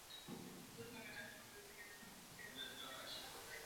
Během druhé světové války byl okupován fašistickou Itálií.